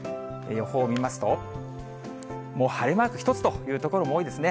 予報を見ますと、もう晴れマーク１つという所も多いですね。